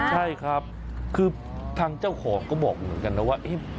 ใช่ครับคือทางเจ้าของก็บอกเหมือนกันนะว่า